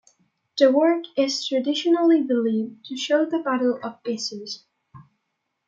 The work is traditionally believed to show the Battle of Issus.